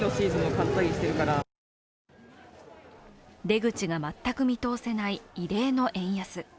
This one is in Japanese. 出口が全く見通せない異例の円安。